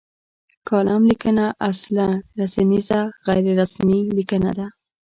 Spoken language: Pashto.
کالم لیکنه اصلا رسنیزه غیر رسمي لیکنه ده.